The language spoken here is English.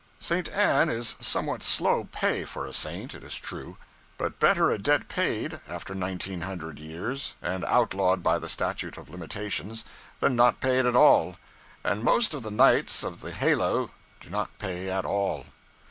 St. Anne is somewhat slow pay, for a Saint, it is true; but better a debt paid after nineteen hundred years, and outlawed by the statute of limitations, than not paid at all; and most of the knights of the halo do not pay at all.